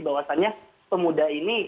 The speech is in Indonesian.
bahwasannya pemuda ini